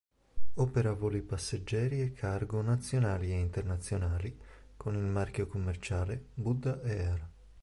Opera voli passeggeri e cargo nazionali e internazionali con il marchio commerciale Buddha Air.